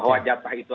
bahwa jatah itu